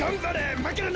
まけるな！